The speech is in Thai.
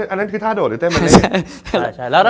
อันนั้นคือท่าโดดหรือเต้นเมล็ด